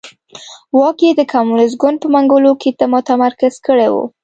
واک یې د کمونېست ګوند په منګولو کې متمرکز کړی و.